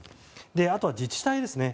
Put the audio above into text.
あとは、自治体ですね。